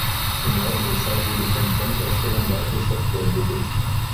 Im Laufe der Zeit wurde von Fremdherstellern weitere Software entwickelt.